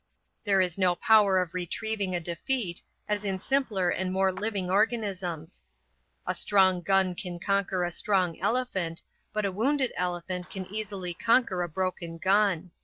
There is no power of retrieving a defeat, as in simpler and more living organisms. A strong gun can conquer a strong elephant, but a wounded elephant can easily conquer a broken gun.